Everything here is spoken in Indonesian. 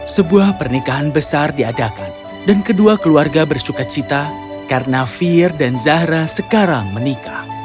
sebuah pernikahan besar diadakan dan kedua keluarga bersuka cita karena fier dan zahra sekarang menikah